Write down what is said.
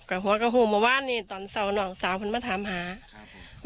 กะหัวกระโหงมาว่านนี่ตอนเสาร์นอกเสาร์พันมาถามหาครับครับ